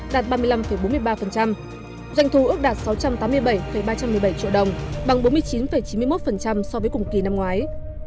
doanh thu ước đạt sáu trăm tám mươi bảy ba trăm một mươi bảy triệu đồng bằng bốn mươi chín chín mươi một so với cùng kỳ năm ngoái